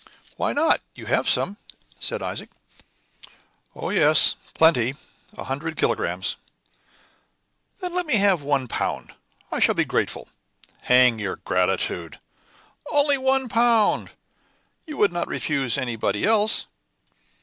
"Why not? You have some?" said Isaac. "Oh yes! plenty a hundred kilogrammes." "Then let me have one pound. I shall be grateful." "Hang your gratitude!" "Only one pound! You would not refuse anybody else."